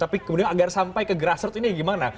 tapi kemudian agar sampai ke grassroot ini gimana